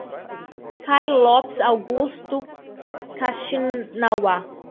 Caio Lopes Augusto Kaxinawa